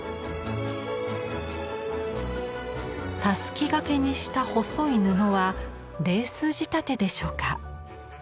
たすき掛けにした細い布はレース仕立てでしょうか。